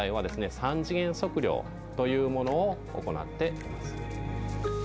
３次元測量というものを行っています。